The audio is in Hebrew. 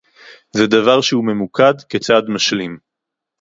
זה דבר שהוא ממוקד כצעד משלים